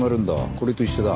これと一緒だ。